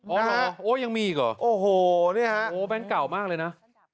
โอ้โหโอ้ยังมีอีกหรอโอ้โหนี่ฮะโอ้โหแบงก์เก่ามากเลยนะ